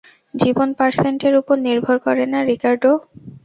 জীবন পার্সেন্টের উপর নির্ভর করে না, রিকার্ডো।